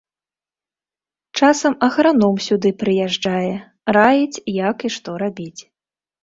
Часам аграном сюды прыязджае, раіць, як і што рабіць.